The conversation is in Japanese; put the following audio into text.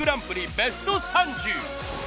ベスト３０。